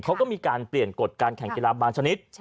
เขาก็มีการเปลี่ยนกฎการแข่งกีฬาบางชนิด